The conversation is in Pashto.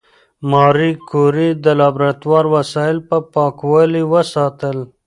ماري کوري د لابراتوار وسایل په پاکوالي وساتل.